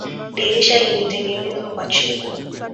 Dirisha limetengenezwa kwa chuma.